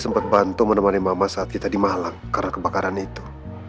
saat kita di malang karena kebakaran itu